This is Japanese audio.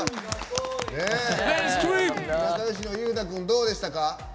仲よしのユウタ君どうでしたか？